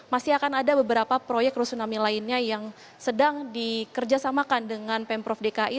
masih akan ada beberapa proyek rusunami lainnya yang sedang dikerjasamakan dengan pemprov dki